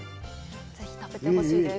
ぜひ食べてほしいです。